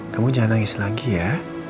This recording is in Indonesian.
kamu jangan nangis lagi ya